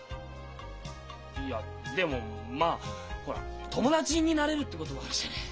いやでもまあほら友達になれるってこともあるじゃない？